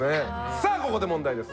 さあここで問題です！